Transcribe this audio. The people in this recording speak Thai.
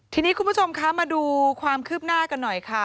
ทีนี้คุณผู้ชมคะมาดูความคืบหน้ากันหน่อยค่ะ